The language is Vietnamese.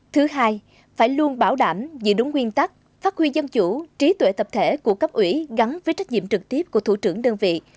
thứ hai phải luôn bảo đảm giữ đúng nguyên tắc phát huy dân chủ trí tuệ tập thể của cấp ủy gắn với trách nhiệm trực tiếp của thủ trưởng đơn vị